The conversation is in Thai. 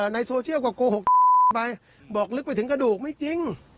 ในโซเชียลก็โกหกไปบอกลึกไปถึงกระดูกไม่จริง